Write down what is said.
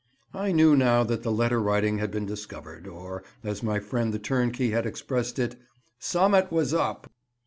I knew now that the letter writing had been discovered, or, as my friend the turnkey had expressed it, "Summat was up."